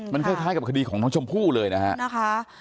มันคล้ายกับคดีของน้องชมพู่เลยนะครับ